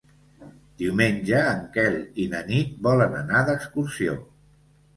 Diumenge en Quel i na Nit volen anar d'excursió.